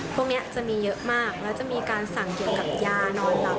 พวกนี้จะมีเยอะมากแล้วจะมีการสั่งเกี่ยวกับยานอนหลับ